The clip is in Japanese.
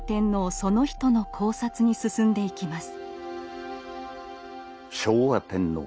その人の考察に進んでいきます。